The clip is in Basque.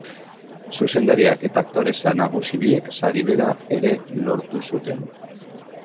Zuzendariak eta aktoresa nagusi biek sari bera ere lortu zuten.